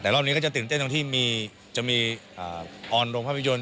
แต่รอบนี้ก็จะตื่นเต้นตรงที่จะมีออนโรงภาพยนตร์